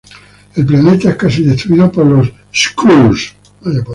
El planeta es casi destruido por los Skrulls.